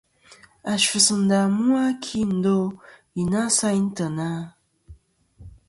A sus ndà mu a kindo i na sayn teyna?